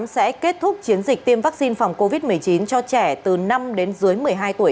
sẽ kết thúc chiến dịch tiêm vaccine phòng covid một mươi chín cho trẻ từ năm đến dưới một mươi hai tuổi